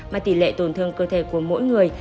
mà tỷ lệ tổn thương cơ thể của mỗi người